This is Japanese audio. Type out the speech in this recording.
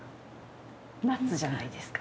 ナッツじゃないですか？